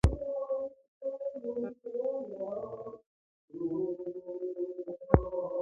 As always, he offers to assist for a fee.